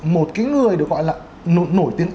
một cái người được gọi là nổi tiếng